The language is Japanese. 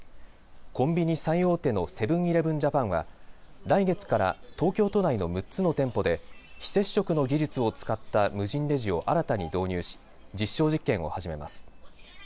コンビニ最大手のセブン‐イレブン・ジャパンは来月から東京都内の６つの店舗で非接触の技術を使った無人レジを新たに導入し、実証実験を始めます。